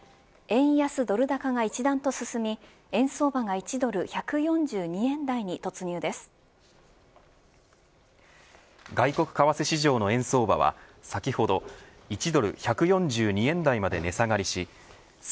円安ドル高が一段と進み円相場が１ドル１４２円台に外国為替市場の円相場は先ほど１ドル１４２円台まで値下がりし